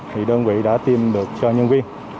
thì đơn vị đã tiêm được cho nhân viên